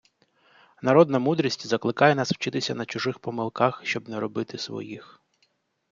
Народна мудрість закликає нас вчитися на чужих помилках, щоб не робити своїх